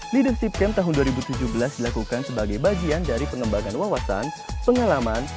leadership camp tahun dua ribu tujuh belas dilakukan sebagai bagian dari pengembangan wawasan pengalaman